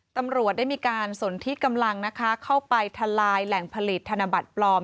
ตำรวจได้มีการสนที่กำลังนะคะเข้าไปทลายแหล่งผลิตธนบัตรปลอม